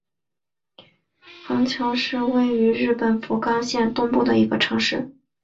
行桥市是位于日本福冈县东部的一个城市。